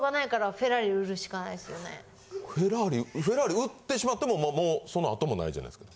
フェラーリフェラーリ売ってしまってももうそのあともないじゃないですか。